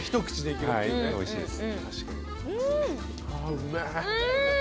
うめえ。